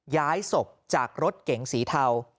ย้ายศพจากรถเก๋งสีเทา